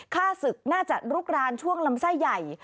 ฆ่าศึกน่าจะลุกรานช่วงลำไส้ใหญ่